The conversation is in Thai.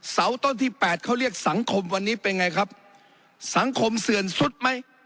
เสาต้นที่แปดเขาเรียกสังคมวันนี้เป็นไงครับสังคมเสื่อนซุดไหม